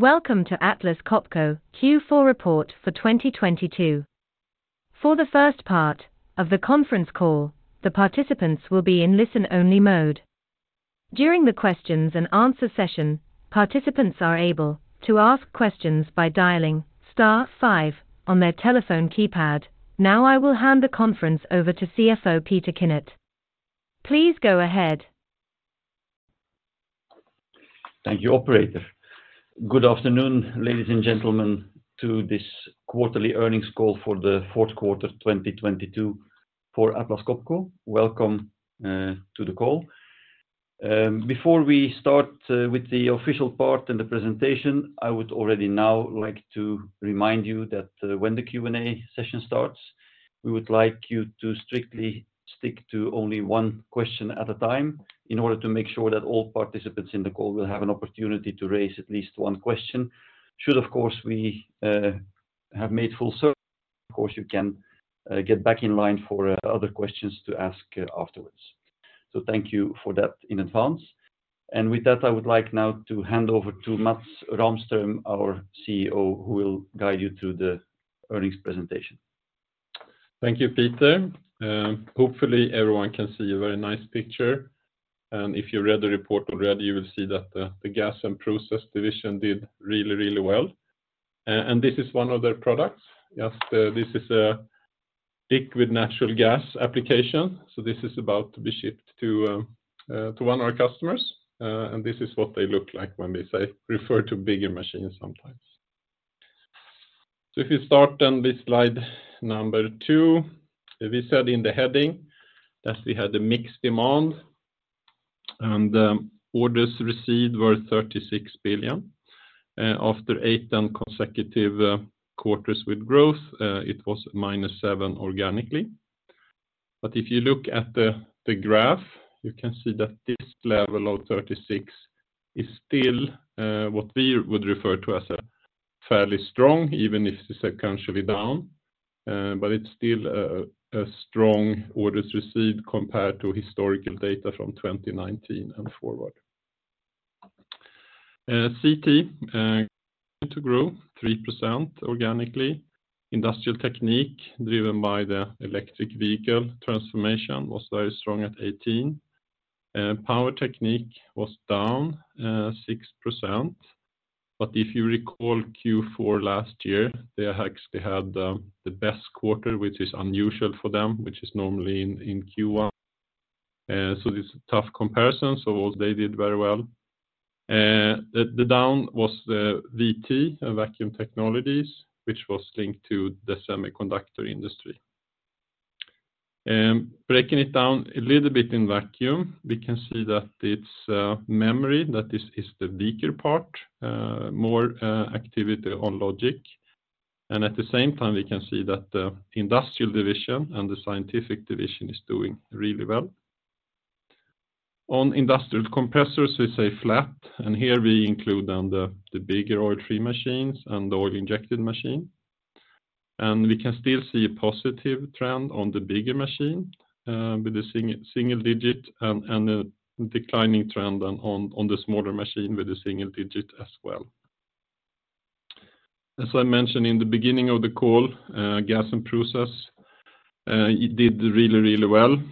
Welcome to Atlas Copco Q4 Report for 2022. For the first part of the conference call, the participants will be in listen-only mode. During the questions and answer session, participants are able to ask questions by dialing star five on their telephone keypad. I will hand the conference over to CFO Peter Kinnart. Please go ahead. Thank you, operator. Good afternoon, ladies and gentlemen, to this quarterly earnings call for the fourth quarter 2022 for Atlas Copco. Welcome to the call. Before we start with the official part and the presentation, I would already now like to remind you that when the Q&A session starts, we would like you to strictly stick to only one question at a time in order to make sure that all participants in the call will have an opportunity to raise at least one question. Should, of course, we have made full circle, of course, you can get back in line for other questions to ask afterwards. Thank you for that in advance. With that, I would like now to hand over to Mats Rahmström, our CEO, who will guide you through the earnings presentation. Thank you, Peter. Hopefully everyone can see a very nice picture, and if you read the report already, you will see that the Gas and Process division did really, really well. This is one of their products. Yes, this is a thick with natural gas application. This is about to be shipped to one of our customers. This is what they look like when they say refer to bigger machines sometimes. If you start on this slide number two, we said in the heading that we had a mixed demand and orders received were 36 billion. After eight then consecutive quarters with growth, it was -7% organically. If you look at the graph, you can see that this level of 36 is still what we would refer to as fairly strong, even if this is a country down, but it's still a strong orders received compared to historical data from 2019 and forward. CT continue to grow 3% organically. Industrial Technique, driven by the electric vehicle transformation, was very strong at 18%. Power Technique was down 6%. If you recall Q4 last year, they actually had the best quarter, which is unusual for them, which is normally in Q1. This is a tough comparison. They did very well. The down was the VT, Vacuum Technique, which was linked to the semiconductor industry. Breaking it down a little bit in Vacuum, we can see that it's memory that is the weaker part, more activity on logic. At the same time, we can see that the Industrial division and the Scientific division is doing really well. On industrial compressors, we say flat, and here we include the bigger oil-free machines and the oil-injected machine. We can still see a positive trend on the bigger machine with a single-digit and a declining trend on the smaller machine with a single-digit as well. As I mentioned in the beginning of the call, Gas and Process, it did really well.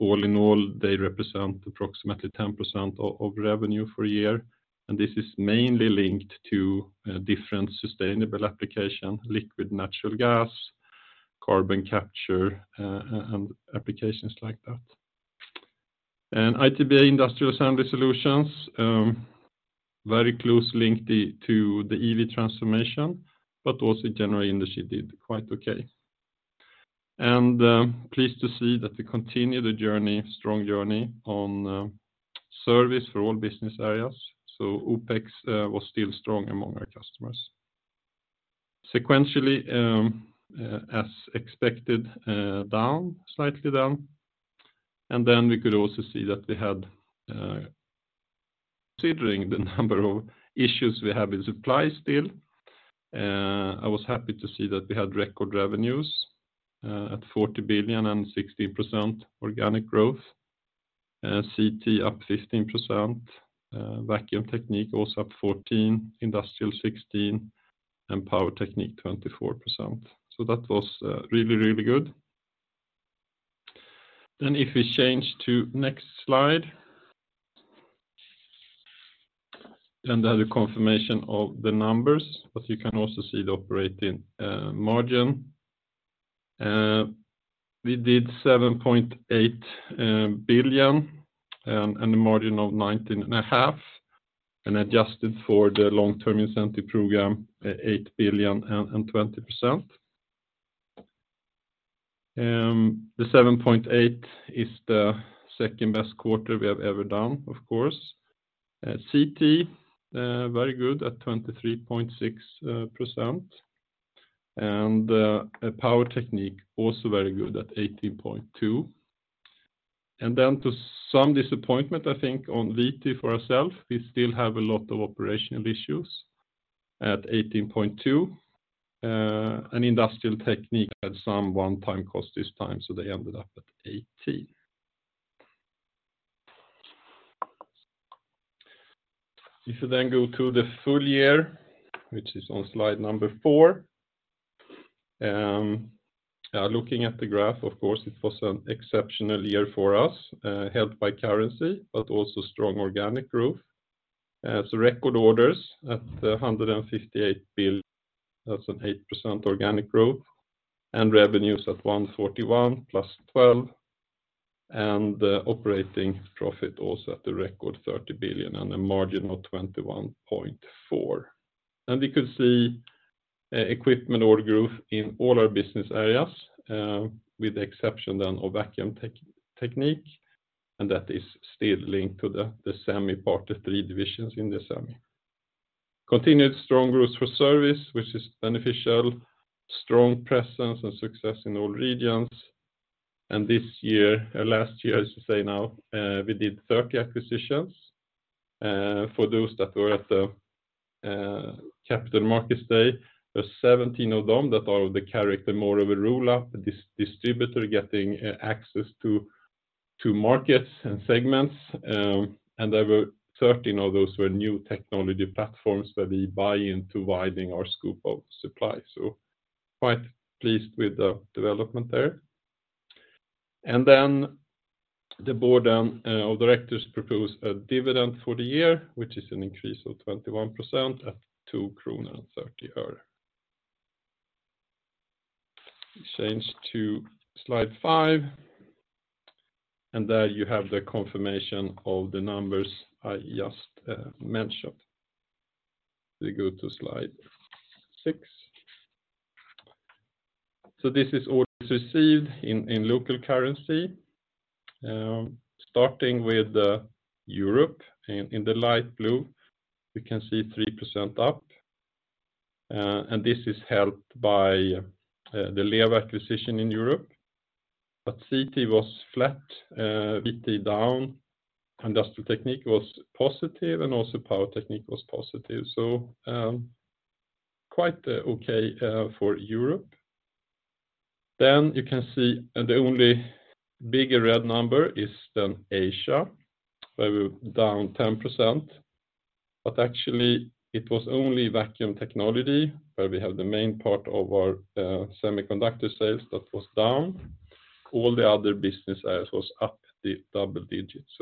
All in all, they represent approximately 10% of revenue for a year, and this is mainly linked to different sustainable application, liquid natural gas, carbon capture, and applications like that. ITBA, Industrial Assembly Solutions, very closely linked it to the EV transformation, but also general industry did quite okay. Pleased to see that we continue the journey, strong journey on service for all business areas. OPEX was still strong among our customers. Sequentially, as expected, down, slightly down. We could also see that we had, considering the number of issues we have in supply still, I was happy to see that we had record revenues at 40 billion and 60% organic growth. CT up 15%, Vacuum Technique also up 14%, Industrial 16%, and Power Technique 24%. That was really, really good. If we change to next slide. The confirmation of the numbers, but you can also see the operating margin. We did 7.8 billion and a margin of 19.5%, and adjusted for the long-term incentive program, 8 billion and 20%. The 7.8 is the second best quarter we have ever done, of course. CT very good at 23.6%. Power Technique also very good at 18.2%. To some disappointment, I think on VT for ourself, we still have a lot of operational issues at 18.2%. Industrial Technique had some one-time cost this time, so they ended up at 18%. If you go to the full year, which is on slide number .four Looking at the graph, of course, it was an exceptional year for us, helped by currency, but also strong organic growth. As record orders at 158 billion, that's an 8% organic growth, and revenues at 141 billion +12%, and operating profit also at the record 30 billion on a margin of 21.4%. You could see equipment order growth in all our business areas, with the exception then of Vacuum Technique, and that is still linked to the semi part, the three divisions in the semi. Continued strong growth for service, which is beneficial, strong presence and success in all regions. This year, last year, I should say now, we did 30 acquisitions. For those that were at the Capital Markets Day, there were 17 of them that are the character more of a rule up, distributor getting access to markets and segments. There were 13 of those were new technology platforms where we buy into widening our scope of supply. Quite pleased with the development there. The board of directors propose a dividend for the year, which is an increase of 21% at 2.30 kronor. We change to slide five. There you have the confirmation of the numbers I just mentioned. We go to slide six. This is orders received in local currency. Starting with the Europe, in the light blue, we can see 3% up, and this is helped by the LEWA acquisition in Europe. CT was flat, VT down, Industrial Technique was positive, and also Power Technique was positive. Quite okay for Europe. You can see the only bigger red number is Asia, where we're down 10%. Actually, it was only Vacuum Technique, where we have the main part of our semiconductor sales that was down. All the other business areas was up the double digits.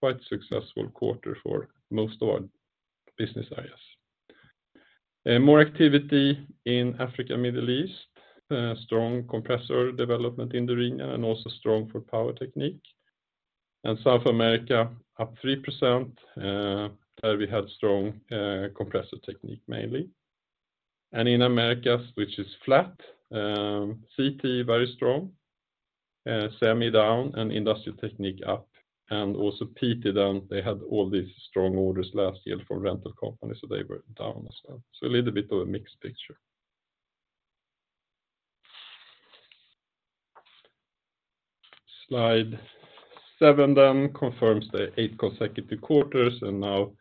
Quite successful quarter for most of our business areas. More activity in Africa, Middle East, strong compressor development in the region, and also strong for Power Technique. South America up 3%, where we had strong Compressor Technique mainly. In Americas, which is flat, CT very strong, semi down and Industrial Technique up, and also PT down. They had all these strong orders last year from rental companies, they were down as well. A little bit of a mixed picture. Slide seven then confirms the eight consecutive quarters, and now,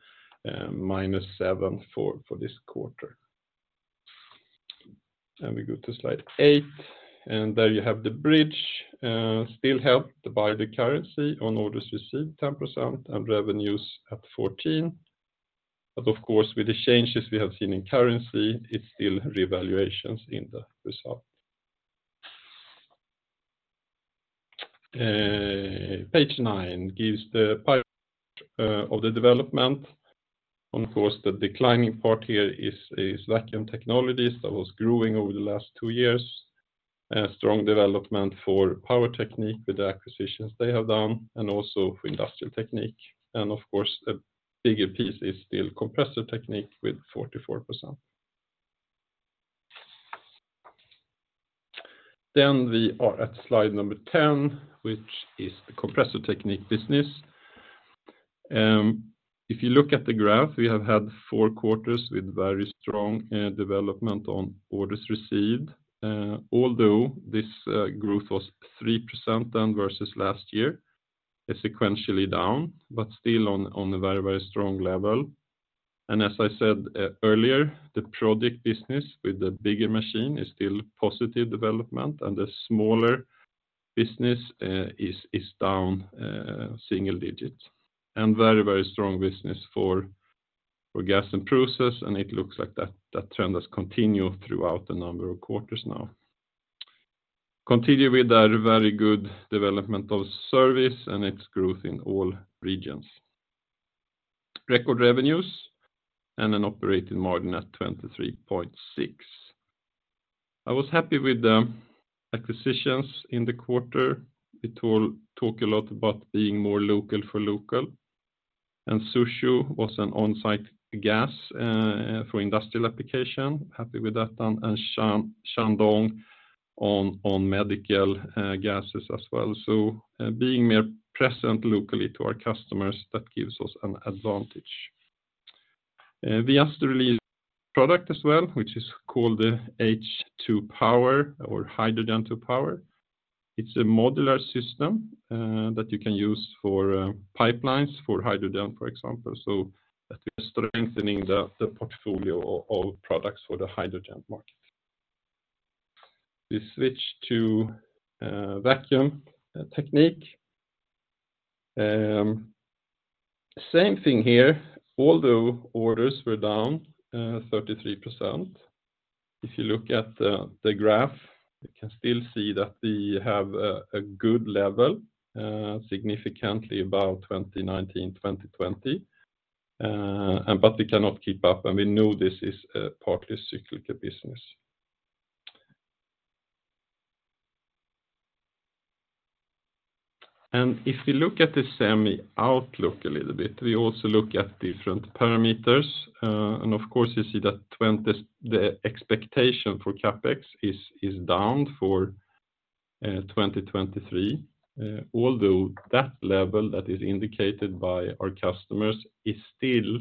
-7 for this quarter. We go to slide eight, and there you have the bridge, still helped by the currency on orders received 10% and revenues at 14%. Of course, with the changes we have seen in currency, it's still revaluations in the result. Page nine gives the pie of the development. Of course, the declining part here is Vacuum Technique that was growing over the last two years. Strong development for Power Technique with the acquisitions they have done and also for Industrial Technique. Of course, the bigger piece is still Compressor Technique with 44%. We are at slide number 10, which is the Compressor Technique business. If you look at the graph, we have had four quarters with very strong development on orders received. Although this growth was 3% down versus last year, sequentially down, but still on a very, very strong level. As I said earlier, the project business with the bigger machine is still positive development, and the smaller business is down single digits. Very, very strong business for Gas and Process, and it looks like that trend has continued throughout a number of quarters now. Continue with a very good development of service and its growth in all regions. Record revenues and an operating margin at 23.6%. I was happy with the acquisitions in the quarter. We talk a lot about being more local for local. Suzhou was an on-site gas for industrial application. Happy with that one. Shandong on medical gases as well. Being more present locally to our customers, that gives us an advantage. We also released product as well, which is called the H2 Power or Hydrogen to Power. It's a modular system that you can use for pipelines for hydrogen, for example. That is strengthening the portfolio of products for the hydrogen market. We switch to Vacuum Technique. Same thing here. Although orders were down 33%, if you look at the graph, you can still see that we have a good level significantly above 2019, 2020. But we cannot keep up, and we know this is a partly cyclical business. If you look at the semi outlook a little bit, we also look at different parameters. Of course, you see that the expectation for CapEx is down for 2023. Although that level that is indicated by our customers is still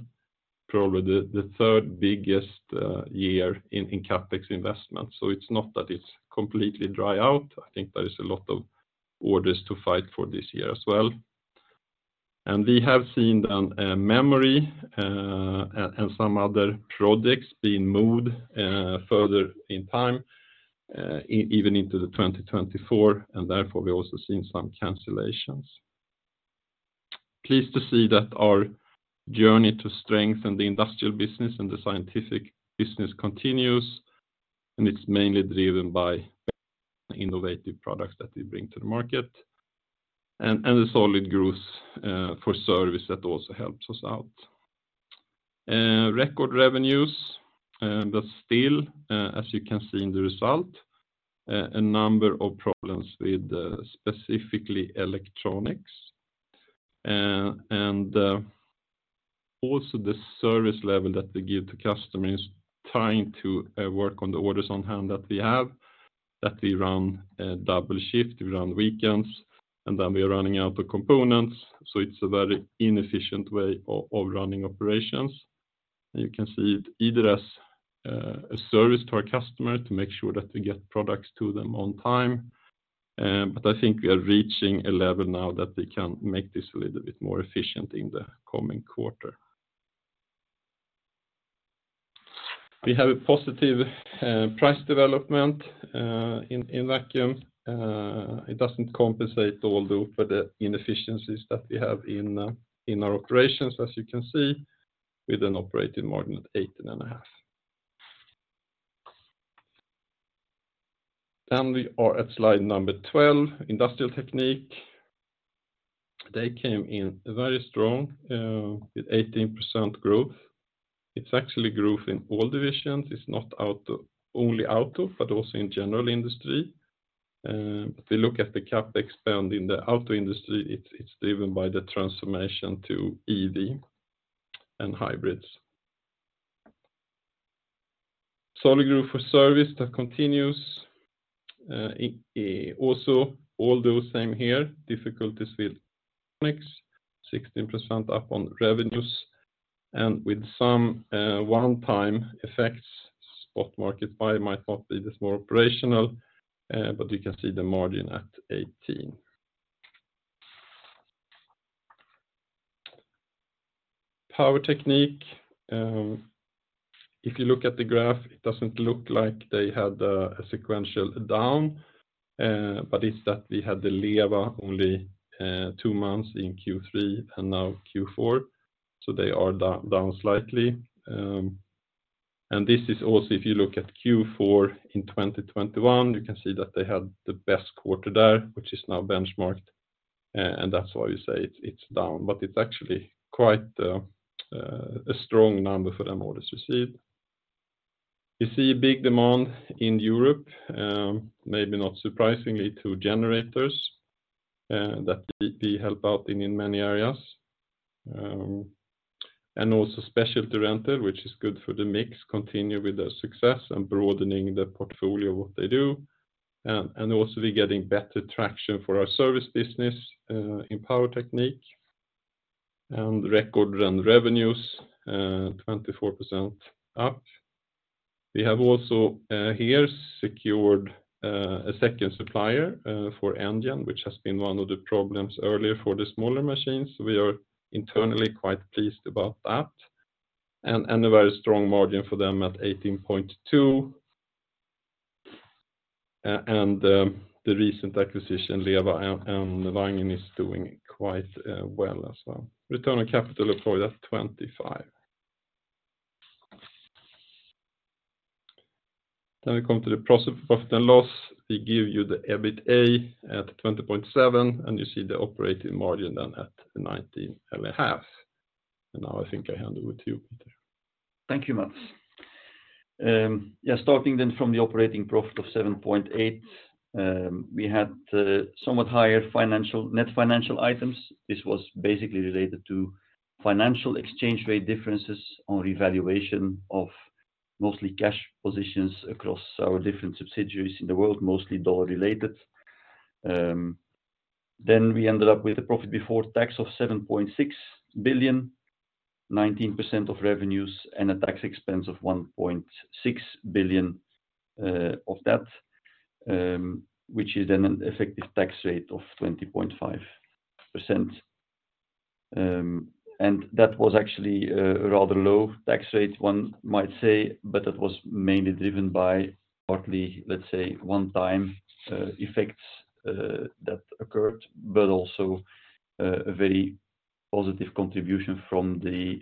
probably the third biggest year in CapEx investments. It's not that it's completely dry out. I think there is a lot of orders to fight for this year as well. We have seen down memory and some other projects being moved further in time, even into 2024, and therefore we're also seeing some cancellations. Pleased to see that our journey to strengthen the industrial business and the scientific business continues, it's mainly driven by innovative products that we bring to the market and the solid growth for service that also helps us out. Record revenues, still, as you can see in the result, a number of problems with specifically electronics. Also the service level that we give to customers, trying to work on the orders on hand that we have, that we run a double shift, we run weekends, and then we're running out of components, so it's a very inefficient way of running operations. You can see it either as a service to our customer to make sure that we get products to them on time, but I think we are reaching a level now that we can make this a little bit more efficient in the coming quarter. We have a positive price development in Vacuum Technique. It doesn't compensate although for the inefficiencies that we have in our operations, as you can see, with an operating margin at 18.5%. We are at slide number 12, Industrial Technique. They came in very strong, with 18% growth. It's not only out of, but also in general industry. We look at the CapEx spend in the auto industry, it's driven by the transformation to EV and hybrids. Solid growth for service that continues. Although same here, difficulties with electronics, 16% up on revenues and with some one-time effects, spot market buy might not be this more operational, but you can see the margin at 18%. Power Technique. If you look at the graph, it doesn't look like they had a sequential down, but it's that we had the LEWA only two months in Q3 and now Q4, so they are down slightly. This is also if you look at Q4 in 2021, you can see that they had the best quarter there, which is now benchmarked. That's why we say it's down, but it's actually quite a strong number for them orders received. You see a big demand in Europe, maybe not surprisingly to generators that we help out in many areas. Also specialty rental, which is good for the mix, continue with the success and broadening the portfolio of what they do. Also we're getting better traction for our service business in Power Technique. Record run revenues, 24% up. We have also here secured a second supplier for NGM, which has been one of the problems earlier for the smaller machines. We are internally quite pleased about that. A very strong margin for them at 18.2%. The recent acquisition, LEWA and Wangen, is doing quite well as well. Return on capital employed at 25%. We come to the profit and loss. We give you the EBITA at 20.7%. You see the operating margin then at 19.5%. Now I think I hand over to you, Peter. Thank you, Mats. Starting then from the operating profit of 7.8, we had somewhat higher financial, net financial items. This was basically related to financial exchange rate differences on revaluation of mostly cash positions across our different subsidiaries in the world, mostly dollar-related. We ended up with a profit before tax of 7.6 billion, 19% of revenues, and a tax expense of 1.6 billion of that, which is an effective tax rate of 20.5%. That was actually a rather low tax rate one might say, but that was mainly driven by partly, let's say, one-time effects that occurred, but also a very positive contribution from the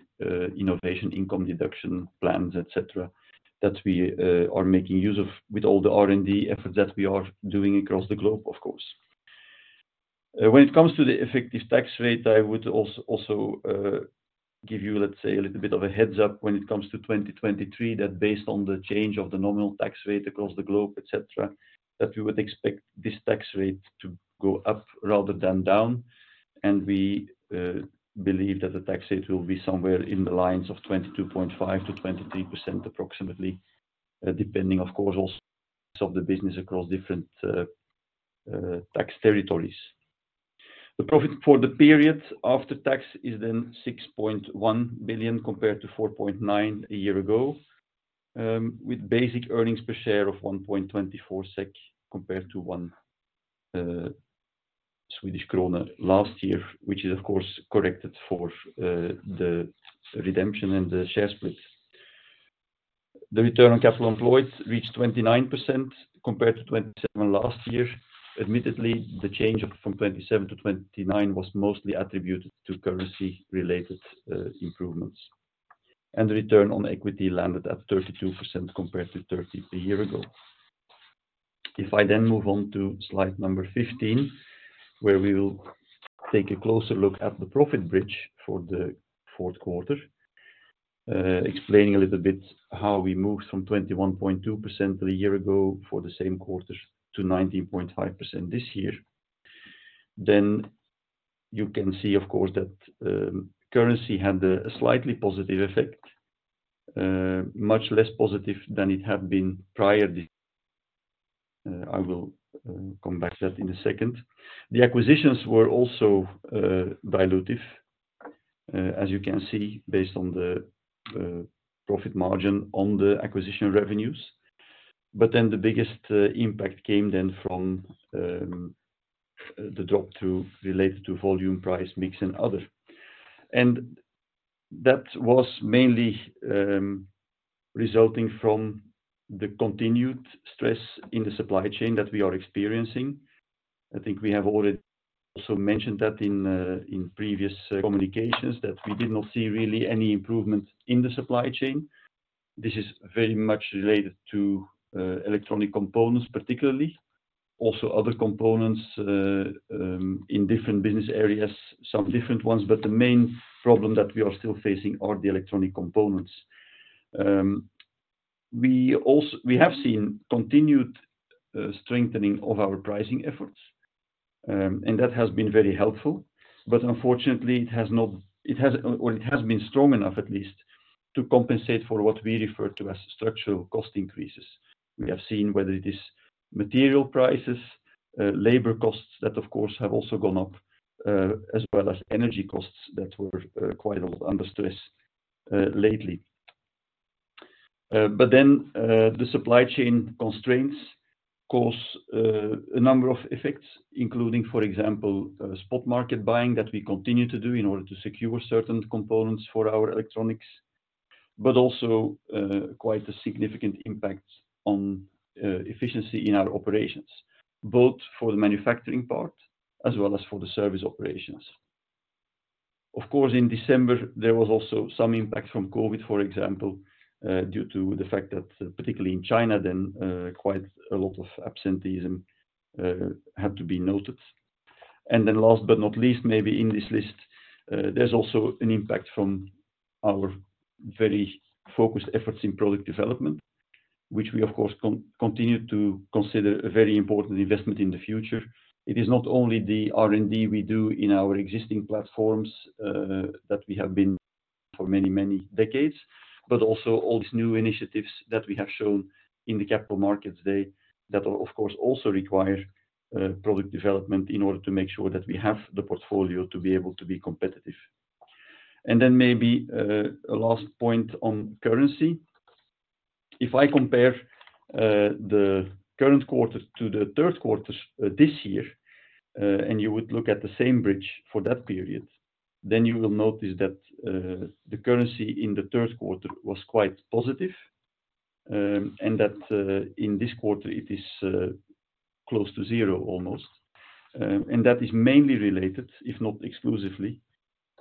innovation income deduction plans, etc., that we are making use of with all the R&D efforts that we are doing across the globe, of course. When it comes to the effective tax rate, I would also give you, let's say, a little bit of a heads up when it comes to 2023 that based on the change of the nominal tax rate across the globe, etc., that we would expect this tax rate to go up rather than down. We believe that the tax rate will be somewhere in the lines of 22.5%-23% approximately, depending of course, also the business across different tax territories. The profit for the period after tax is then 6.1 billion compared to 4.9 billion a year ago, with basic earnings per share of 1.24 SEK compared to 1.00 Swedish krona last year, which is of course corrected for the redemption and the share split. The return on capital employed reached 29% compared to 27 last year. Admittedly, the change from 27 to 29 was mostly attributed to currency related improvements. The return on equity landed at 32% compared to 30 a year ago. I move on to slide number 15, where we will take a closer look at the profit bridge for the fourth quarter, explaining a little bit how we moved from 21.2% a year ago for the same quarter to 19.5% this year. You can see, of course, that currency had a slightly positive effect, much less positive than it had been prior this. I will come back to that in a second. The acquisitions were also dilutive, as you can see based on the profit margin on the acquisition revenues. The biggest impact came then from the drop to related to volume price mix and other. That was mainly resulting from the continued stress in the supply chain that we are experiencing. I think we have already also mentioned that in previous communications that we did not see really any improvement in the supply chain. This is very much related to electronic components particularly, also other components in different business areas, some different ones, but the main problem that we are still facing are the electronic components. We have seen continued strengthening of our pricing efforts, and that has been very helpful. Unfortunately, it has not... It has been strong enough at least to compensate for what we refer to as structural cost increases. We have seen whether it is material prices, labor costs that of course, have also gone up, as well as energy costs that were quite under stress lately. The supply chain constraints cause a number of effects, including for example, spot market buying that we continue to do in order to secure certain components for our electronics, but also quite a significant impact on efficiency in our operations, both for the manufacturing part as well as for the service operations. In December, there was also some impact from COVID, for example, due to the fact that particularly in China then, quite a lot of absenteeism had to be noted. Last but not least, maybe in this list, there's also an impact from our very focused efforts in product development, which we of course continue to consider a very important investment in the future. It is not only the R&D we do in our existing platforms, that we have been for many, many decades, but also all these new initiatives that we have shown in the Capital Markets Day that will of course also require product development in order to make sure that we have the portfolio to be able to be competitive. Maybe a last point on currency. If I compare the current quarter to the third quarter this year, and you would look at the same bridge for that period, then you will notice that the currency in the third quarter was quite positive, and that in this quarter, it is close to zero almost. That is mainly related, if not exclusively,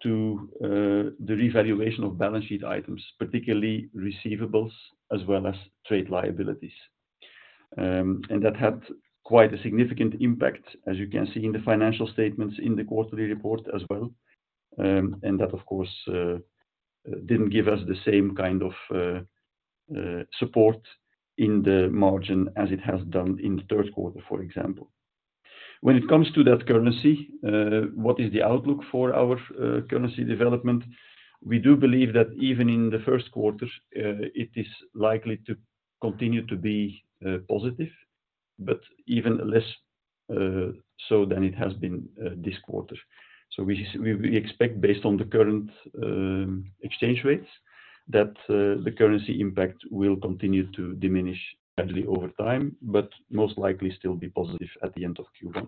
to the revaluation of balance sheet items, particularly receivables as well as trade liabilities. That had quite a significant impact, as you can see in the financial statements in the quarterly report as well. That of course, didn't give us the same kind of support in the margin as it has done in the third quarter, for example. When it comes to that currency, what is the outlook for our currency development? We do believe that even in the first quarter, it is likely to continue to be positive, but even less so than it has been this quarter. We, we expect based on the current exchange rates that the currency impact will continue to diminish gradually over time, but most likely still be positive at the end of Q1.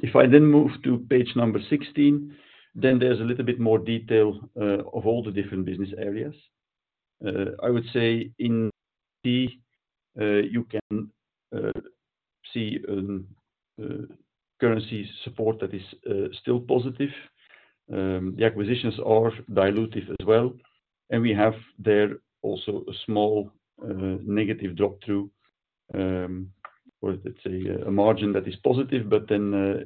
If I then move to page number 16, there's a little bit more detail of all the different business areas. I would say in IT, you can see currency support that is still positive. The acquisitions are dilutive as well, and we have there also a small negative drop through. Let's say a margin that is positive, but then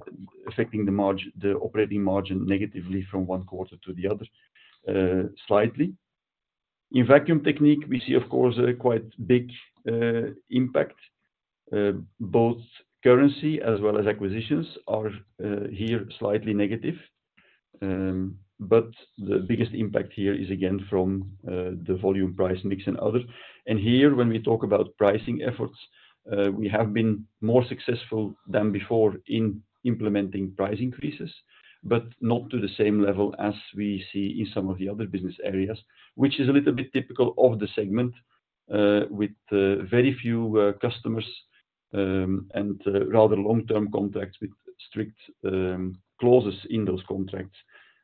affecting the operating margin negatively from one quarter to the other, slightly. In Vacuum Technique, we see, of course, a quite big impact. Both currency as well as acquisitions are here slightly negative. The biggest impact here is again, from the volume price mix and others. Here, when we talk about pricing efforts, we have been more successful than before in implementing price increases, but not to the same level as we see in some of the other business areas, which is a little bit typical of the segment, with very few customers, and rather long-term contracts with strict clauses in those contracts,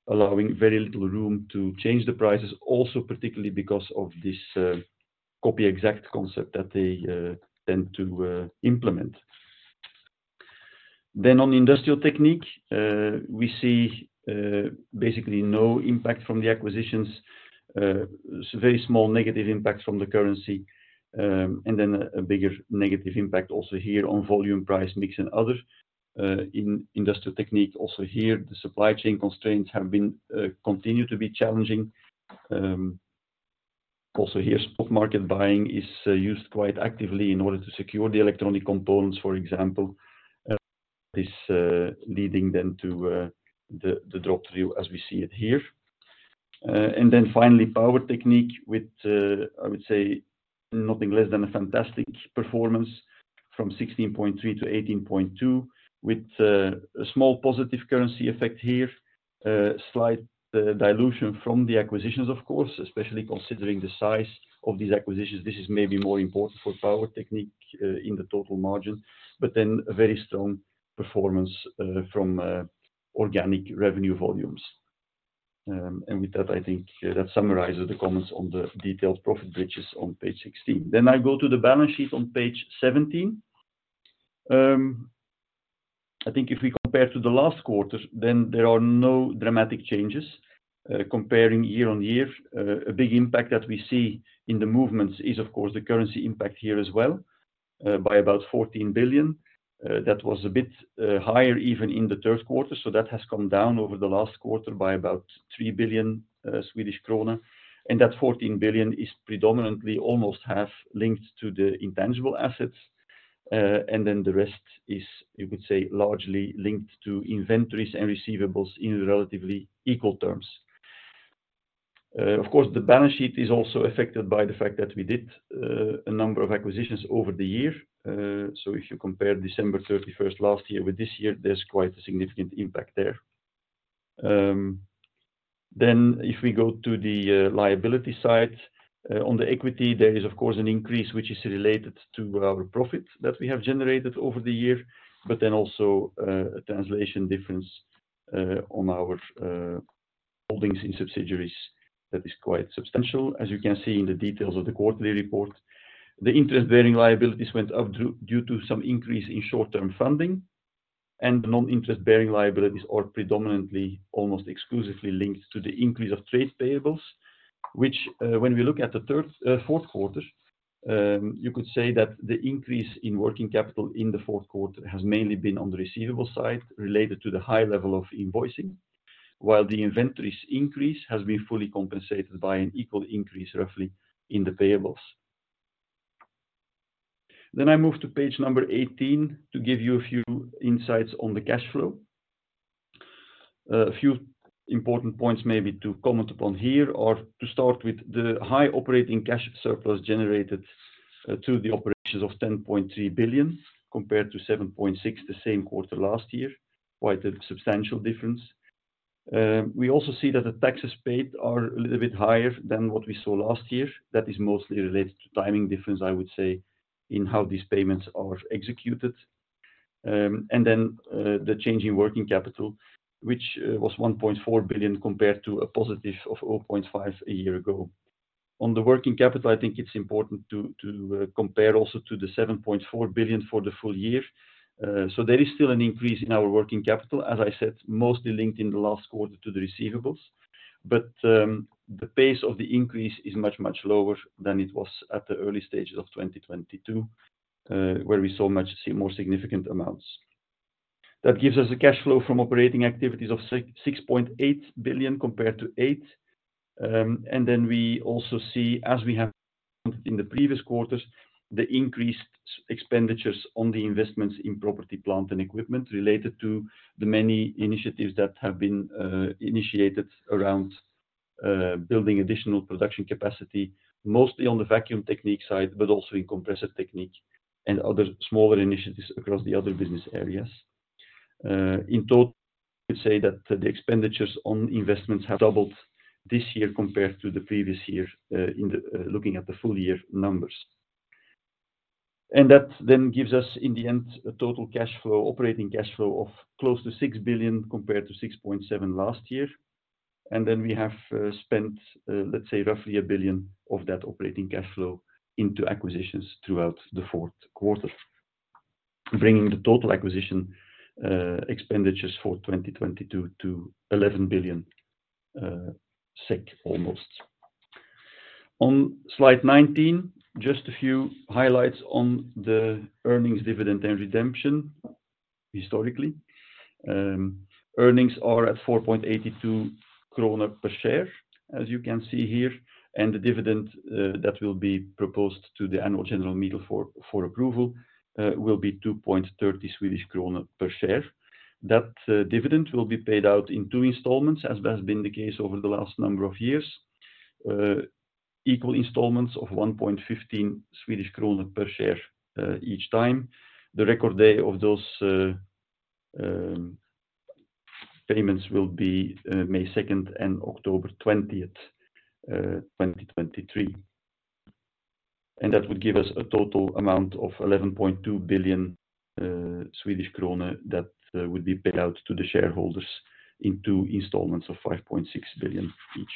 allowing very little room to change the prices. Particularly because of this, Copy Exactly! concept that they tend to implement. On Industrial Technique, we see basically no impact from the acquisitions, very small negative impact from the currency, and then a bigger negative impact also here on volume price mix and others. In Industrial Technique, also here, the supply chain constraints have been continue to be challenging. Also here spot market buying is used quite actively in order to secure the electronic components, for example. This leading then to the drop through as we see it here. Finally, Power Technique with I would say nothing less than a fantastic performance from 16.3 to 18.2 with a small positive currency effect here. Slight dilution from the acquisitions of course, especially considering the size of these acquisitions. This is maybe more important for Power Technique in the total margin, a very strong performance from organic revenue volumes. I think that summarizes the comments on the detailed profit bridges on page 16. I go to the balance sheet on page 17. I think if we compare to the last quarter, then there are no dramatic changes. Comparing year on year, a big impact that we see in the movements is of course the currency impact here as well, by about 14 billion. That was a bit higher even in the third quarter. That has come down over the last quarter by about 3 billion Swedish krona. That 14 billion is predominantly almost half linked to the intangible assets. The rest is, you could say, largely linked to inventories and receivables in relatively equal terms. Of course, the balance sheet is also affected by the fact that we did a number of acquisitions over the year. If you compare December 31st last year with this year, there's quite a significant impact there. If we go to the liability side, on the equity, there is of course an increase, which is related to our profit that we have generated over the year, also a translation difference on our holdings in subsidiaries that is quite substantial, as you can see in the details of the quarterly report. The interest-bearing liabilities went up due to some increase in short-term funding. The non-interest-bearing liabilities are predominantly almost exclusively linked to the increase of trade payables, which, when we look at the third, fourth quarter, you could say that the increase in working capital in the fourth quarter has mainly been on the receivable side related to the high level of invoicing, while the inventory's increase has been fully compensated by an equal increase roughly in the payables. I move to page number 18 to give you a few insights on the cash flow. A few important points maybe to comment upon here are to start with the high operating cash surplus generated to the operations of 10.3 billion, compared to 7.6 the same quarter last year. Quite a substantial difference. We also see that the taxes paid are a little bit higher than what we saw last year. That is mostly related to timing difference, I would say, in how these payments are executed. The change in working capital, which was 1.4 billion compared to a positive of 0.5 billion a year ago. On the working capital, I think it's important to compare also to the 7.4 billion for the full year. There is still an increase in our working capital, as I said, mostly linked in the last quarter to the receivables. The pace of the increase is much, much lower than it was at the early stages of 2022, where we saw much more significant amounts. That gives us a cash flow from operating activities of 6.8 billion compared to 8 billion. We also see, as we have in the previous quarters, the increased expenditures on the investments in property, plant, and equipment related to the many initiatives that have been initiated around building additional production capacity, mostly on the Vacuum Technique side, but also in Compressor Technique and other smaller initiatives across the other business areas. In total, we say that the expenditures on investments have doubled this year compared to the previous year, looking at the full year numbers. That then gives us, in the end, a total cash flow, operating cash flow of close to 6 billion compared to 6.7 billion last year. We have spent, let's say roughly 1 billion of that operating cash flow into acquisitions throughout the fourth quarter, bringing the total acquisition expenditures for 2022 to 11 billion SEK almost. On slide 19, just a few highlights on the earnings dividend and redemption historically. Earnings are at 4.82 kronor per share, as you can see here. The dividend that will be proposed to the annual general meeting for approval will be 2.30 Swedish krona per share. That dividend will be paid out in two installments as that's been the case over the last number of years. Equal installments of 1.15 Swedish kronor per share each time. The record day of those payments will be May second and October 20th, 2023. That would give us a total amount of 11.2 billion Swedish krona that would be paid out to the shareholders in two installments of 5.6 billion each.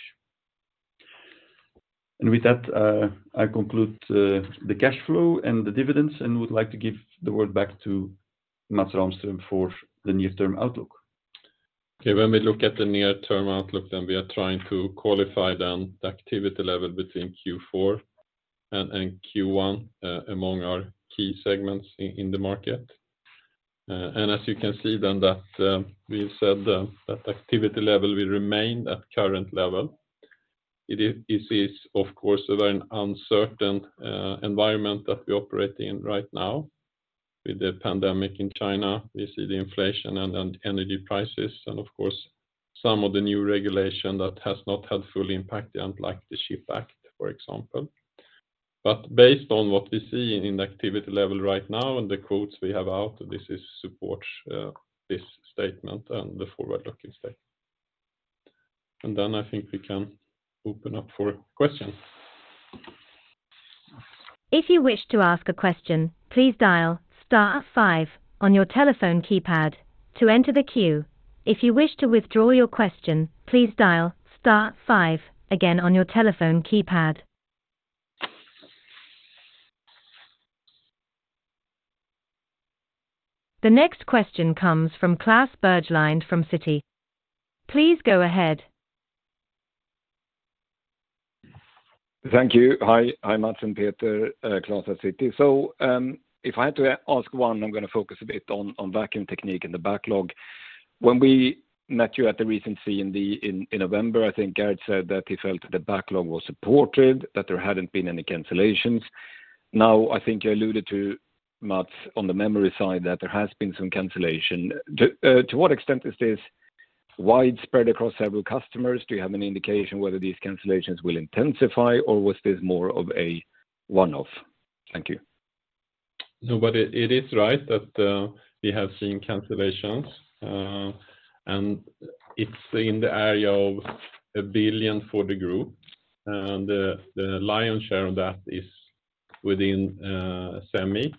With that, I conclude the cash flow and the dividends and would like to give the word back to Mats Rahmström for the near-term outlook. Okay. When we look at the near-term outlook, then we are trying to qualify then the activity level between Q4 and Q1, among our key segments in the market. As you can see that we've said that activity level will remain at current level. This is of course a very uncertain environment that we operate in right now with the pandemic in China. We see the inflation and energy prices and of course some of the new regulation that has not had full impact yet, like the CHIPS Act, for example. Based on what we see in activity level right now and the quotes we have out, this is support this statement and the forward-looking state. I think we can open up for questions. If you wish to ask a question, please dial star five on your telephone keypad to enter the queue. If you wish to withdraw your question, please dial star five again on your telephone keypad. The next question comes from Klas Bergelind from Citi. Please go ahead. Thank you. Hi. Hi, Mats and Peter. Klas at Citi. If I had to ask one, I'm gonna focus a bit on Vacuum Technique and the backlog. When we met you at the recent CMD in November, I think Geert said that he felt the backlog was supported, that there hadn't been any cancellations. I think you alluded to, Mats, on the memory side that there has been some cancellation. To what extent is this widespread across several customers? Do you have any indication whether these cancellations will intensify, or was this more of a one-off? Thank you. No, it is right that we have seen cancellations. It's in the area of 1 billion for the group. The lion's share of that is within Semi.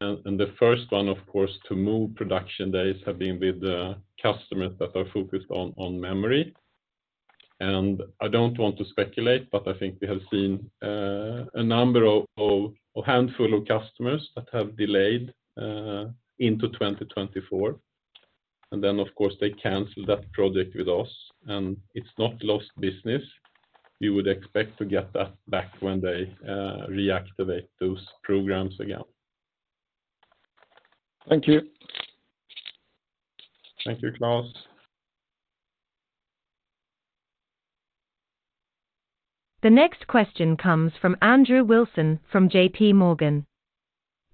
The first one, of course, to move production days have been with the customers that are focused on memory. I don't want to speculate, but I think we have seen a number of handful of customers that have delayed into 2024. Of course, they cancel that project with us, and it's not lost business. We would expect to get that back when they reactivate those programs again. Thank you. Thank you, Klas. The next question comes from Andrew Wilson from JPMorgan.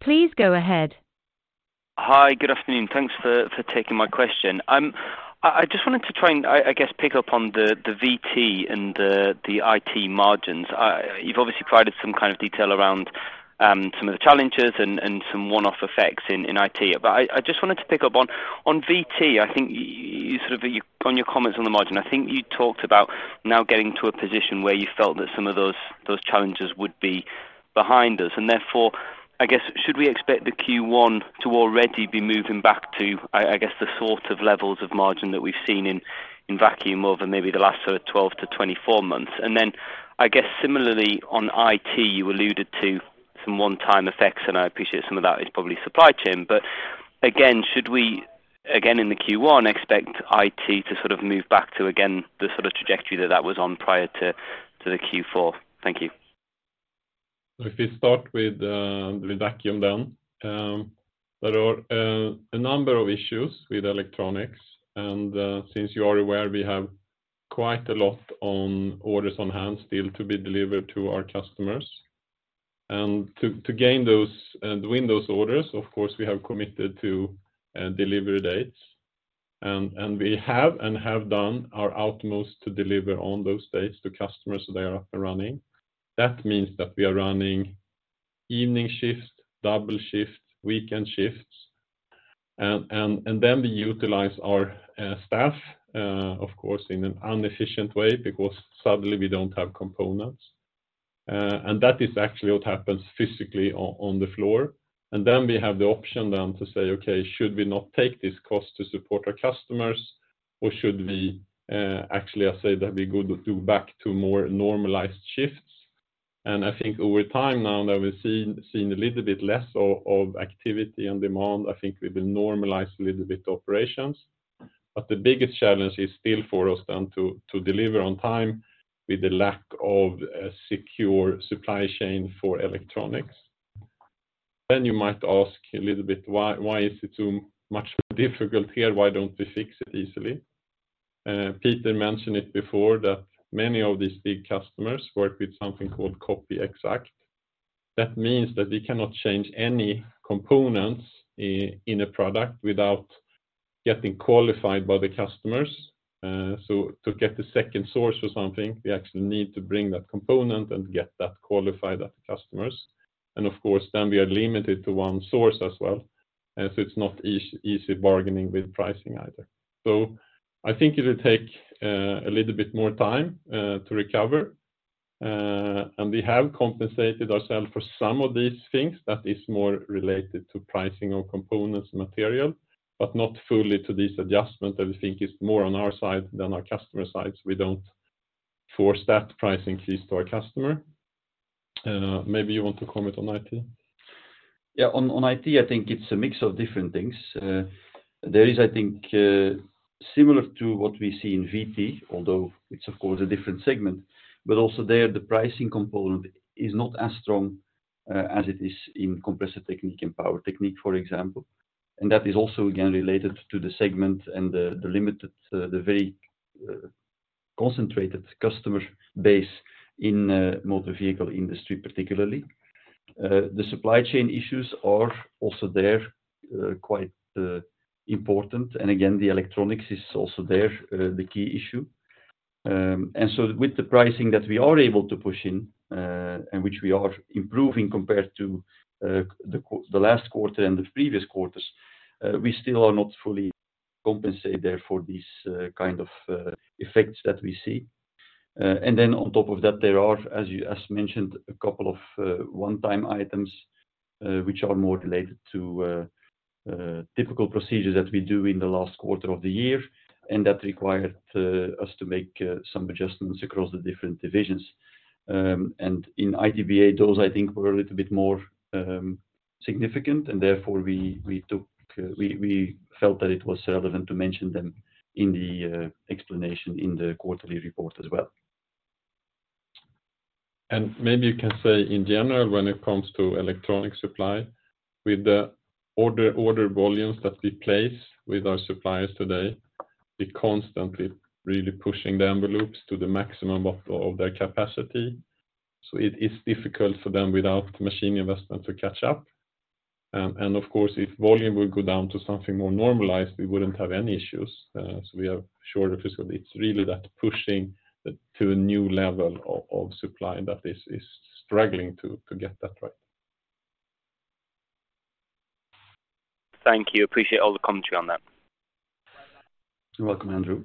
Please go ahead. Hi. Good afternoon. Thanks for taking my question. I just wanted to try and I guess, pick up on the VT and the IT margins. You've obviously provided some kind of detail around some of the challenges and some one-off effects in IT. I just wanted to pick up on VT, I think you sort of... On your comments on the margin, I think you talked about now getting to a position where you felt that some of those challenges would be behind us. Therefore, I guess, should we expect the Q1 to already be moving back to, I guess, the sort of levels of margin that we've seen in vacuum over maybe the last sort of 12-24 months? I guess similarly on IT, you alluded to some one-time effects, and I appreciate some of that is probably supply chain. Again, should we again in the Q1 expect IT to sort of move back to again the sort of trajectory that was on prior to the Q4? Thank you. We start with vacuum then, there are a number of issues with electronics. Since you are aware, we have quite a lot on orders on hand still to be delivered to our customers. To gain those and win those orders, of course, we have committed to delivery dates. We have done our utmost to deliver on those dates to customers so they are up and running. That means that we are running evening shifts, double shifts, weekend shifts. Then we utilize our staff, of course, in an inefficient way because suddenly we don't have components. That is actually what happens physically on the floor. We have the option then to say, "Okay, should we not take this cost to support our customers, or should we." Actually, I say that'd be good to go back to more normalized shifts. I think over time now that we've seen a little bit less of activity and demand, I think we will normalize a little bit operations. The biggest challenge is still for us then to deliver on time with the lack of a secure supply chain for electronics. You might ask a little bit why is it so much difficult here? Why don't we fix it easily? Peter mentioned it before that many of these big customers work with something called Copy Exactly!. That means that they cannot change any components in a product without getting qualified by the customers. To get the second source or something, we actually need to bring that component and get that qualified at the customers. Of course, then we are limited to one source as well. It's not easy bargaining with pricing either. I think it'll take a little bit more time to recover. We have compensated ourself for some of these things that is more related to pricing of components material, but not fully to this adjustment that we think is more on our side than our customer sides. We don't force that pricing fees to our customer. Maybe you want to comment on IT. Yeah. On IT, I think it's a mix of different things. There is, I think, similar to what we see in VT, although it's of course a different segment, but also there, the pricing component is not as strong as it is in Compressor Technique and Power Technique, for example. That is also again, related to the segment and the limited, the very concentrated customer base in motor vehicle industry particularly. The supply chain issues are also there, quite important. Again, the electronics is also there, the key issue. With the pricing that we are able to push in, and which we are improving compared to the last quarter and the previous quarters, we still are not fully compensated there for these kind of effects that we see. On top of that, there are, as mentioned, a couple of one-time items, which are more related to typical procedures that we do in the last quarter of the year, and that required us to make some adjustments across the different divisions. In IT/BA, those I think were a little bit more significant and therefore we took, we felt that it was relevant to mention them in the explanation in the quarterly report as well. Maybe you can say in general when it comes to electronic supply with the order volumes that we place with our suppliers today, we're constantly really pushing the envelopes to the maximum of their capacity. It is difficult for them without machine investment to catch up. Of course, if volume would go down to something more normalized, we wouldn't have any issues. We are sure of physically it's really that pushing to a new level of supply that is struggling to get that right. Thank you. Appreciate all the commentary on that. You're welcome, Andrew.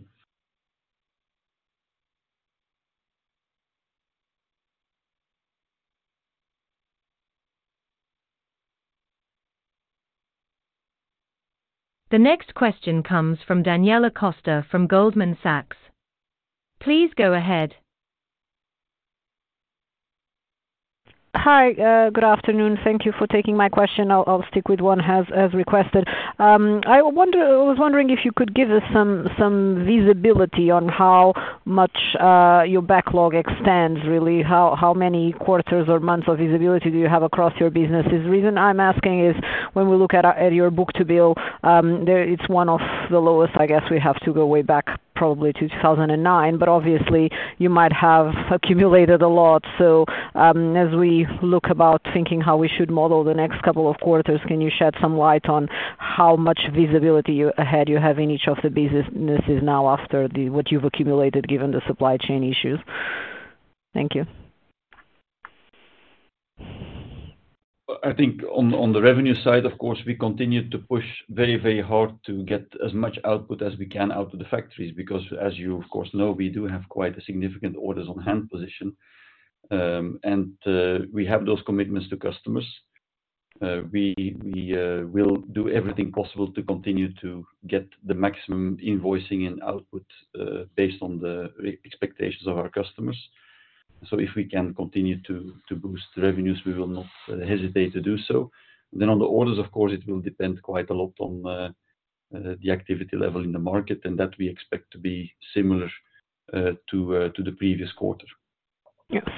The next question comes from Daniela Costa from Goldman Sachs. Please go ahead. Hi. Good afternoon. Thank you for taking my question. I'll stick with one as requested. I was wondering if you could give us some visibility on how much your backlog extends, really. How many quarters or months of visibility do you have across your businesses? The reason I'm asking is when we look at your book-to-bill, there it's one of the lowest I guess we have to go way back probably to 2009, obviously you might have accumulated a lot. As we look about thinking how we should model the next couple of quarters, can you shed some light on how much visibility you have in each of the businesses now after what you've accumulated given the supply chain issues? Thank you. I think on the revenue side, of course, we continue to push very, very hard to get as much output as we can out of the factories because as you of course know, we do have quite a significant orders on hand position. We have those commitments to customers. We will do everything possible to continue to get the maximum invoicing and output based on the expectations of our customers. If we can continue to boost revenues, we will not hesitate to do so. On the orders, of course, it'll depend quite a lot on the activity level in the market, and that we expect to be similar to the previous quarter.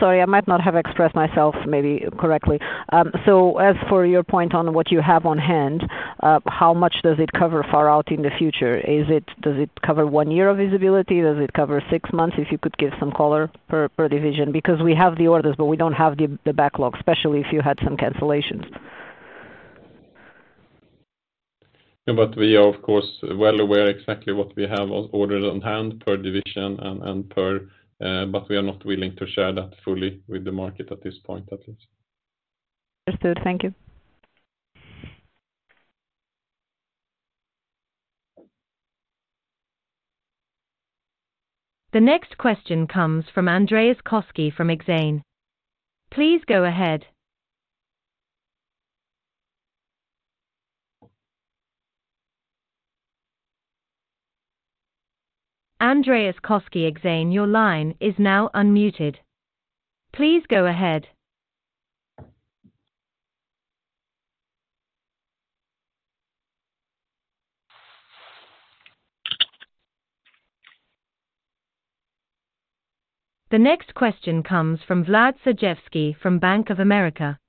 Sorry, I might not have expressed myself maybe correctly. As for your point on what you have on hand, how much does it cover far out in the future? Does it cover one year of visibility? Does it cover six months? If you could give some color per division, because we have the orders, but we don't have the backlog, especially if you had some cancellations. No, we are of course, well aware exactly what we have ordered on hand per division and per, but we are not willing to share that fully with the market at this point at least. Understood. Thank you. The next question comes from Andreas Koski from Exane. Please go ahead. Andreas Koski, Exane, your line is now unmuted. Please go ahead. The next question comes from Vladimir Sergievskii from Bank of America.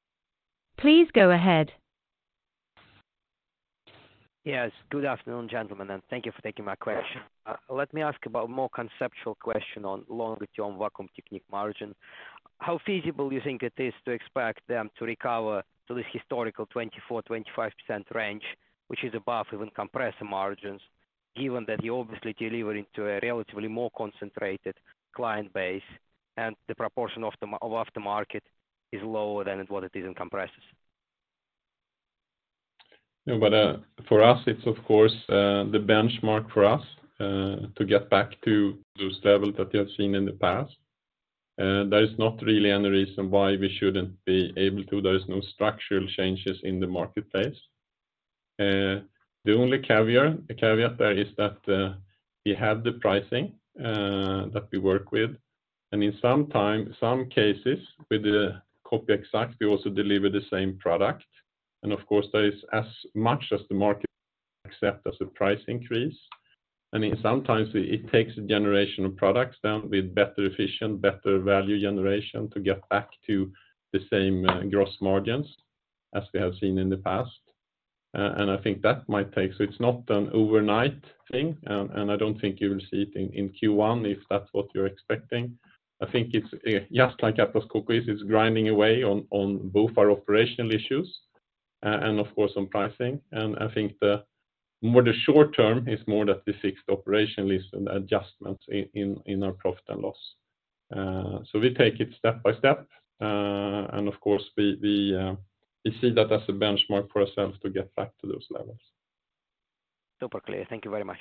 Please go ahead. Yes. Good afternoon, gentlemen, and thank you for taking my question. Let me ask about more conceptual question on longer term Vacuum Technique margin. How feasible you think it is to expect them to recover to this historical 24%-25% range, which is above even compressor margins, given that you're obviously delivering to a relatively more concentrated client base and the proportion of aftermarket is lower than what it is in compressors? Yeah. for us, it's of course, the benchmark for us, to get back to those levels that we have seen in the past. There is not really any reason why we shouldn't be able to. There is no structural changes in the marketplace. The only caveat there is that, we have the pricing, that we work with, and in some time, some cases with the Copy Exactly!, we also deliver the same product. Of course, there is as much as the market accept as a price increase. I mean, sometimes it takes a generation of products then with better efficient, better value generation to get back to the same, gross margins as we have seen in the past. I think that might take... It's not an overnight thing, and I don't think you will see it in Q1 if that's what you're expecting. I think it's just like Atlas Copco, it's grinding away on both our operational issues, and of course on pricing. I think the more the short term is more that we fix the operational issue and adjustments in our profit and loss. We take it step by step. Of course we see that as a benchmark for ourselves to get back to those levels. Super clear. Thank you very much.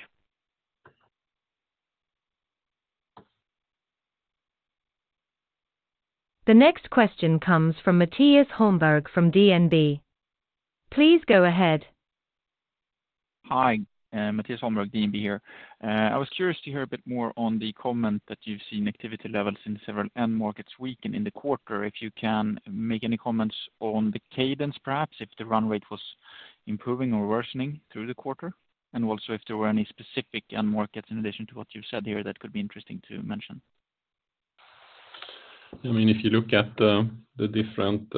The next question comes from Mattias Holmberg from DNB. Please go ahead. Hi, Mattias Holmberg, DNB here. I was curious to hear a bit more on the comment that you've seen activity levels in several end markets weaken in the quarter. If you can make any comments on the cadence, perhaps if the run rate was improving or worsening through the quarter, and also if there were any specific end markets in addition to what you've said here that could be interesting to mention? I mean, if you look at the different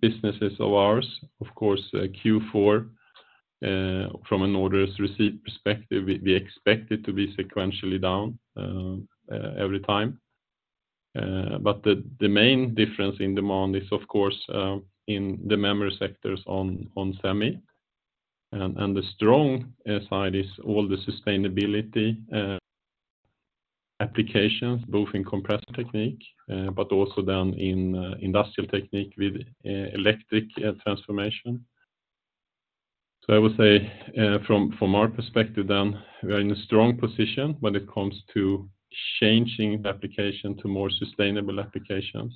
businesses of ours, of course, Q4 from an orders receipt perspective, we expect it to be sequentially down every time. The main difference in demand is of course in the memory sectors on semi and the strong side is all the sustainability applications, both in Compressor Technique, but also then in Industrial Technique with electric transformation. I would say, from our perspective then, we are in a strong position when it comes to changing application to more sustainable applications.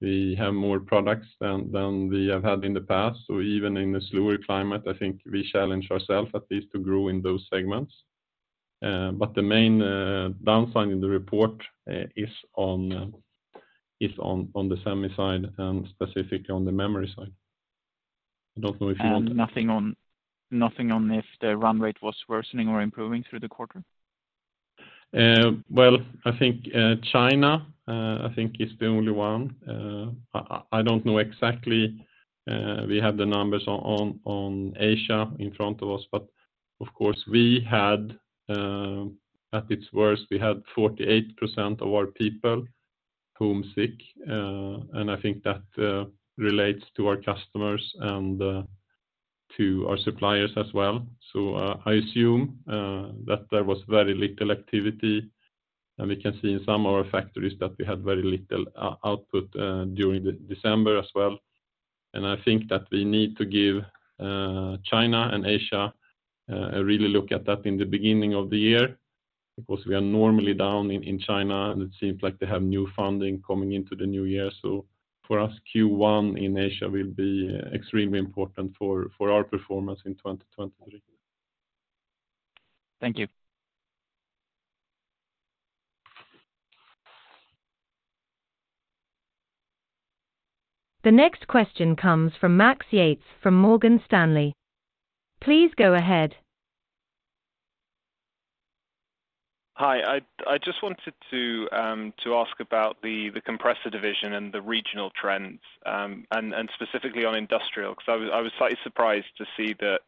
We have more products than we have had in the past. Even in a slower climate, I think we challenge ourself at least to grow in those segments. The main downside in the report is on the semi side, specifically on the memory side. I don't know if you want. Nothing on if the run rate was worsening or improving through the quarter? I think China I think is the only one. I don't know exactly we have the numbers on Asia in front of us, of course we had at its worst we had 48% of our people homesick. I think that relates to our customers and to our suppliers as well. I assume that there was very little activity, and we can see in some of our factories that we had very little output during December as well. I think that we need to give China and Asia a really look at that in the beginning of the year because we are normally down in China, and it seems like they have new funding coming into the new year. For us, Q1 in Asia will be extremely important for our performance in 2023. Thank you. The next question comes from Max Yates from Morgan Stanley. Please go ahead. Hi. I just wanted to ask about the Compressor division and the regional trends, and specifically on Industrial 'cause I was slightly surprised to see that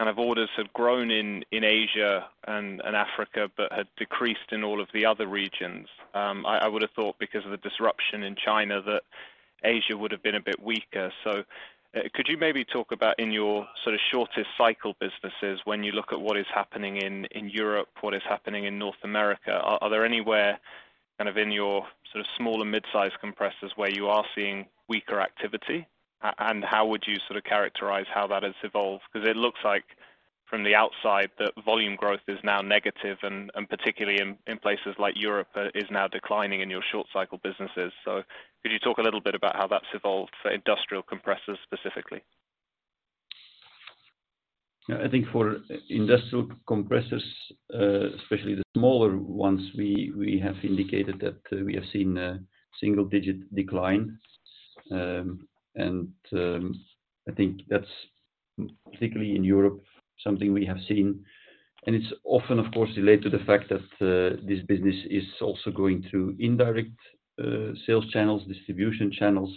kind of orders had grown in Asia and Africa, but had decreased in all of the other regions. I would've thought because of the disruption in China that Asia would have been a bit weaker. Could you maybe talk about in your sort of shortest cycle businesses, when you look at what is happening in Europe, what is happening in North America, are there anywhere kind of in your sort of small and mid-size compressors where you are seeing weaker activity? And how would you sort of characterize how that has evolved? Because it looks like from the outside that volume growth is now negative, and particularly in places like Europe, is now declining in your short cycle businesses. Could you talk a little bit about how that's evolved for industrial compressors specifically? Yeah. I think for industrial compressors, especially the smaller ones, we have indicated that we have seen a single-digit decline. I think that's particularly in Europe, something we have seen. It's often of course related to the fact that this business is also going through indirect sales channels, distribution channels,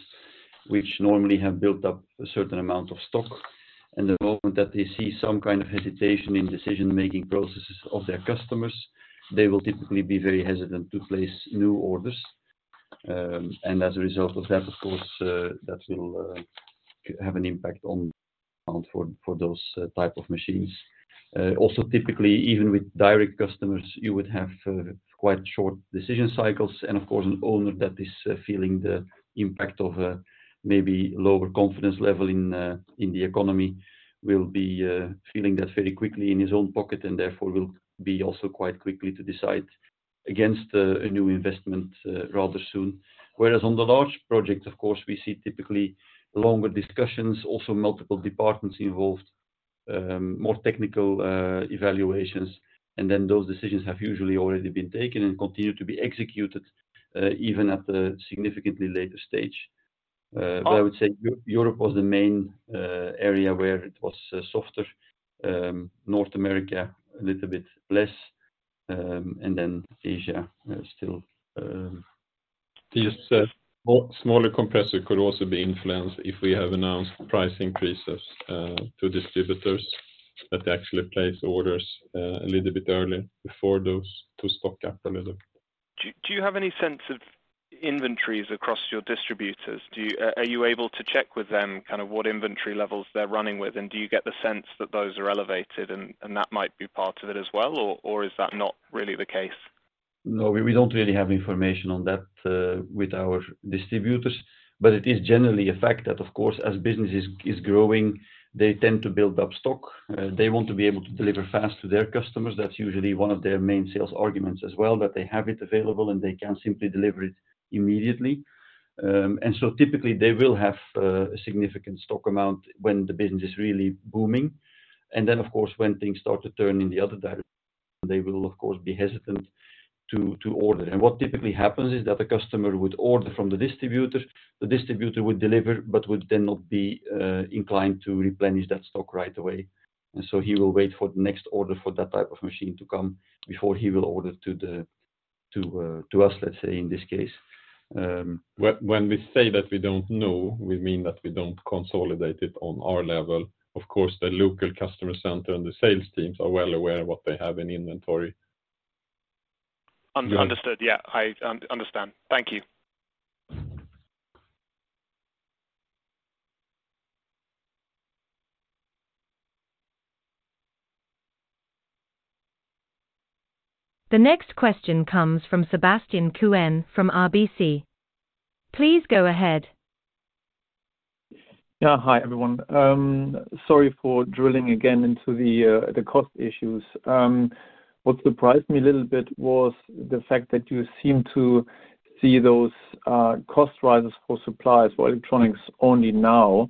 which normally have built up a certain amount of stock. The moment that they see some kind of hesitation in decision-making processes of their customers, they will typically be very hesitant to place new orders. As a result of that, of course, that will have an impact on amount for those type of machines. Typically, even with direct customers, you would have quite short decision cycles. Of course, an owner that is feeling the impact of maybe lower confidence level in the economy will be feeling that very quickly in his own pocket and therefore will be also quite quickly to decide against a new investment rather soon. Whereas on the large project, of course, we see typically longer discussions, also multiple departments involved, more technical evaluations, and then those decisions have usually already been taken and continue to be executed even at a significantly later stage. I would say Europe was the main area where it was softer, North America a little bit less, and then Asia still... This, smaller compressor could also be influenced if we have announced price increases, to distributors that actually place orders, a little bit early before those to stock up a little. Do you have any sense of inventories across your distributors? Are you able to check with them kind of what inventory levels they're running with? Do you get the sense that those are elevated and that might be part of it as well or is that not really the case? No, we don't really have information on that with our distributors. It is generally a fact that, of course, as business is growing, they tend to build up stock. They want to be able to deliver fast to their customers. That's usually one of their main sales arguments as well, that they have it available and they can simply deliver it immediately. Typically, they will have a significant stock amount when the business is really booming. Then, of course, when things start to turn in the other direction, they will of course be hesitant to order. What typically happens is that the customer would order from the distributor, the distributor would deliver, but would then not be inclined to replenish that stock right away. He will wait for the next order for that type of machine to come before he will order to us, let's say, in this case. When we say that we don't know, we mean that we don't consolidate it on our level. Of course, the local customer center and the sales teams are well aware of what they have in inventory. Understood. Yeah. I understand. Thank you. The next question comes from Sebastian Kuenne from RBC. Please go ahead. Hi, everyone. Sorry for drilling again into the cost issues. What surprised me a little bit was the fact that you seem to see those cost rises for suppliers for electronics only now,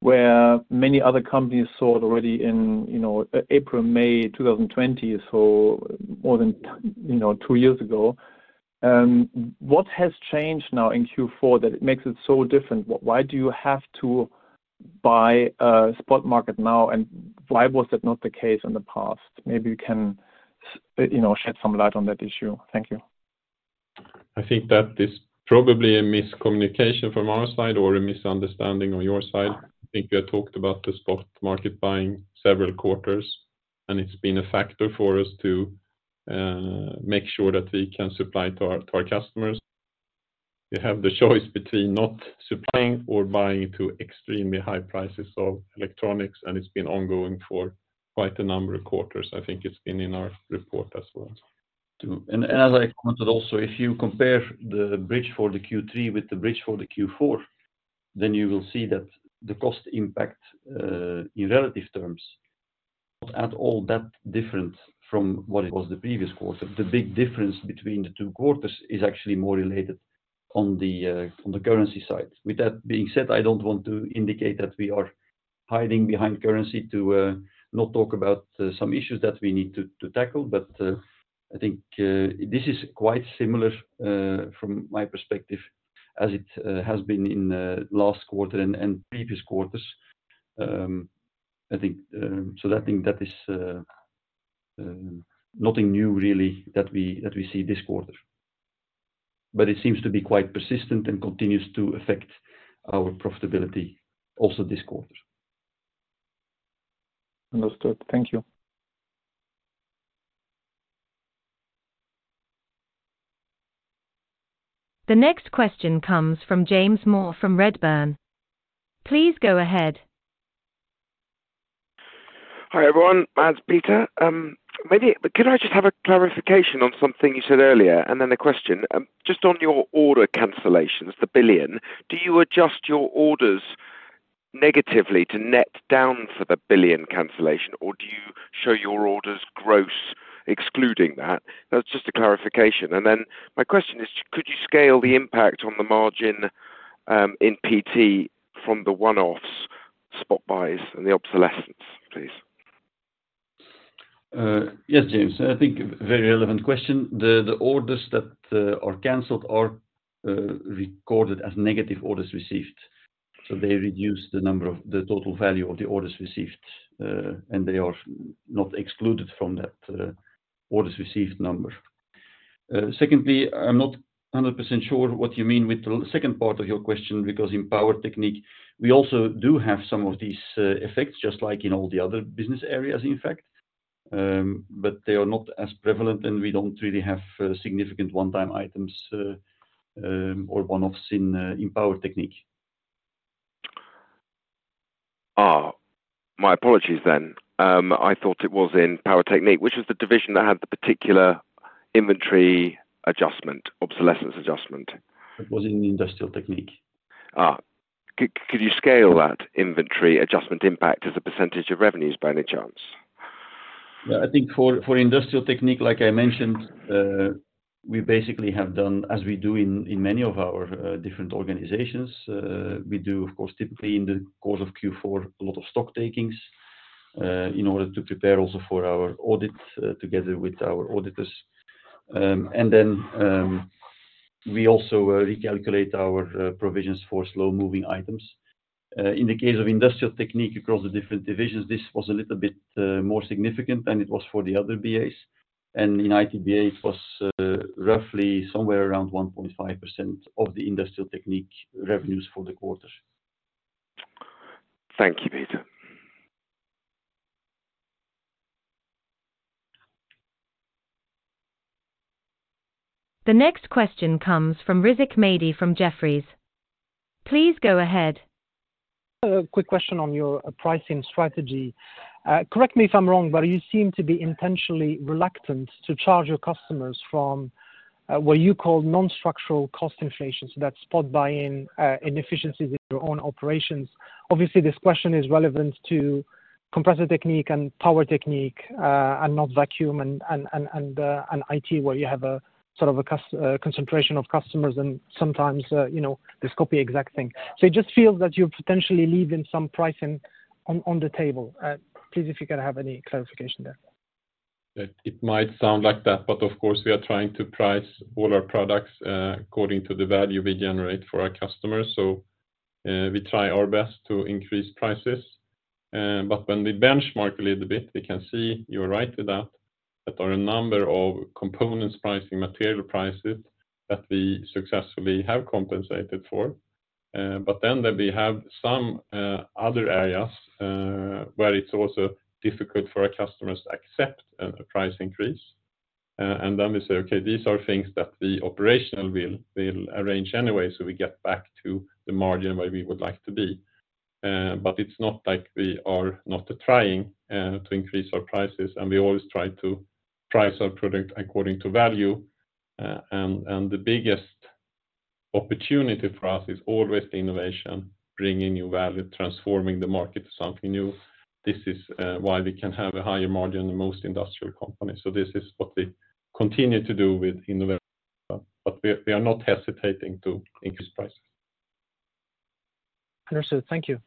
where many other companies saw it already in, you know, April, May 2020, so more than, you know, two years ago. What has changed now in Q4 that it makes it so different? Why do you have to buy a spot market now, and why was that not the case in the past? Maybe you can, you know, shed some light on that issue. Thank you. I think that is probably a miscommunication from our side or a misunderstanding on your side. I think we have talked about the spot market buying several quarters. It's been a factor for us to make sure that we can supply to our customers. We have the choice between not supplying or buying to extremely high prices of electronics. It's been ongoing for quite a number of quarters. I think it's been in our report as well. As I commented also, if you compare the bridge for the Q3 with the bridge for the Q4, you will see that the cost impact in relative terms is at all that different from what it was the previous quarter. The big difference between the two quarters is actually more related on the currency side. That being said, I don't want to indicate that we are hiding behind currency to not talk about some issues that we need to tackle. I think this is quite similar from my perspective, as it has been in last quarter and previous quarters. I think that is nothing new really that we see this quarter. It seems to be quite persistent and continues to affect our profitability also this quarter. Understood. Thank you. The next question comes from James Moore from Redburn. Please go ahead. Hi, everyone. It's Peter. Maybe could I just have a clarification on something you said earlier, a question? Just on your order cancellations, the 1 billion, do you adjust your orders negatively to net down for the 1 billion cancellation, or do you show your orders gross excluding that? That's just a clarification. My question is, could you scale the impact on the margin in PT from the one-offs spot buys and the obsolescence, please? Yes, James. I think very relevant question. The orders that are canceled are recorded as negative orders received. They reduce the number of the total value of the orders received, and they are not excluded from that orders received number. Secondly, I'm not 100% sure what you mean with the second part of your question, because in Power Technique, we also do have some of these effects, just like in all the other business areas, in fact. They are not as prevalent, and we don't really have significant one-time items or one-offs in Power Technique. My apologies. I thought it was in Power Technique. Which was the division that had the particular inventory adjustment, obsolescence adjustment? It was in Industrial Technique. Could you scale that inventory adjustment impact as a % of revenues by any chance? I think for Industrial Technique, like I mentioned, we basically have done as we do in many of our different organizations, we do, of course, typically in the course of Q4, a lot of stock takings, in order to prepare also for our audit, together with our auditors. We also recalculate our provisions for slow moving items. In the case of Industrial Technique across the different divisions, this was a little bit more significant than it was for the other BAs. In ITBA, it was roughly somewhere around 1.5% of the Industrial Technique revenues for the quarter. Thank you, Peter. The next question comes from Rizk Maidi from Jefferies. Please go ahead. A quick question on your pricing strategy. Correct me if I'm wrong, you seem to be intentionally reluctant to charge your customers from what you call non-structural cost inflation, so that spot buying, inefficiencies in your own operations. Obviously, this question is relevant to Compressor Technique and Power Technique, and not Vacuum and IT, where you have a sort of a concentration of customers and sometimes, you know, this Copy Exactly! thing. It just feels that you're potentially leaving some pricing on the table. Please if you can have any clarification there. It might sound like that, Of course, we are trying to price all our products, according to the value we generate for our customers. We try our best to increase prices. When we benchmark a little bit, we can see you're right with that, there are a number of components pricing, material prices that we successfully have compensated for. That we have some other areas, where it's also difficult for our customers to accept a price increase. We say, okay, these are things that the operational will arrange anyway, so we get back to the margin where we would like to be. It's not like we are not trying to increase our prices, and we always try to price our product according to value. The biggest opportunity for us is always the innovation, bringing new value, transforming the market to something new. This is why we can have a higher margin than most industrial companies. This is what we continue to do with innovation. We are not hesitating to increase prices. Understood. Thank you.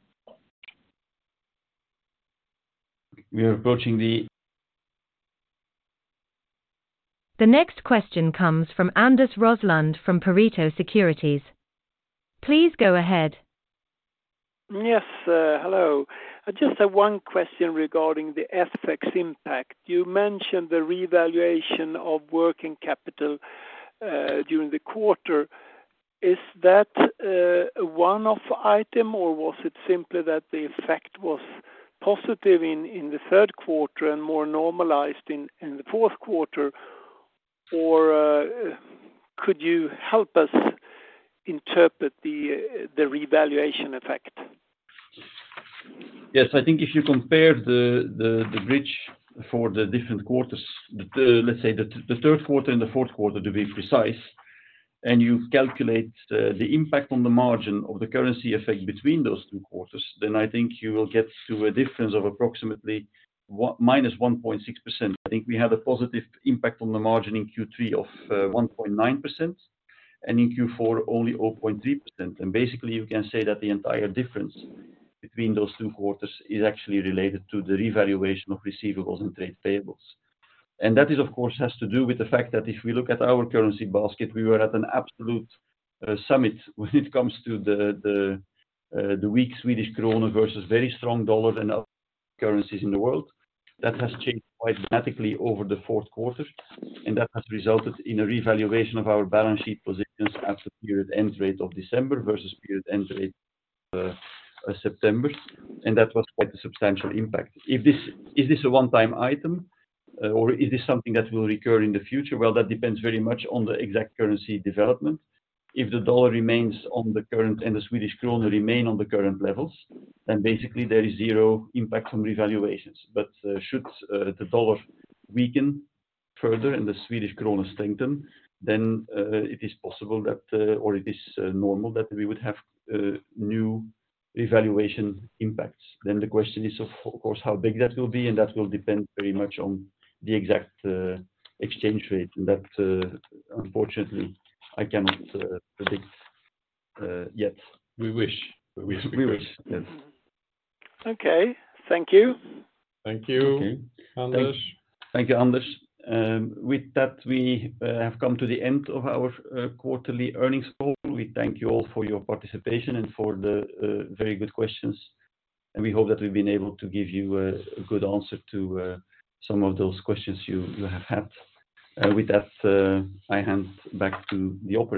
We are approaching the... The next question comes from Anders Roslund from Pareto Securities. Please go ahead. Yes, hello. I just have one question regarding the FX impact. You mentioned the revaluation of working capital during the quarter. Is that a one-off item, or was it simply that the effect was positive in the third quarter and more normalized in the fourth quarter? Could you help us interpret the revaluation effect? Yes. I think if you compare the bridge for the different quarters, let's say the third quarter and the fourth quarter, to be precise, and you calculate the impact on the margin of the currency effect between those two quarters, then I think you will get to a difference of approximately minus 1.6%. I think we have a positive impact on the margin in Q3 of 1.9%, and in Q4, only 0.3%. Basically, you can say that the entire difference between those two quarters is actually related to the revaluation of receivables and trade payables. That is, of course, has to do with the fact that if we look at our currency basket, we were at an absolute summit when it comes to the weak Swedish krona versus very strong dollar and other currencies in the world. That has changed quite dramatically over the fourth quarter, and that has resulted in a revaluation of our balance sheet positions at the period end rate of December versus period end rate September. That was quite a substantial impact. Is this a one-time item, or is this something that will recur in the future? Well, that depends very much on the exact currency development. If the dollar remains on the current and the Swedish krona remain on the current levels, then basically there is zero impact on revaluations. Should the dollar weaken further and the Swedish krona strengthen, it is possible that or it is normal that we would have new evaluation impacts. The question is, of course, how big that will be, and that will depend very much on the exact exchange rate. That, unfortunately, I cannot predict yet. We wish. We wish. We wish. Yes. Okay. Thank you. Thank you. Okay. Anders. Thank you, Anders. With that, we have come to the end of our quarterly earnings call. We thank you all for your participation and for the very good questions. We hope that we've been able to give you a good answer to some of those questions you have had. With that, I hand back to the operator.